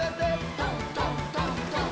「どんどんどんどん」